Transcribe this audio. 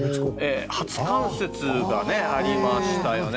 初冠雪がありましたよね。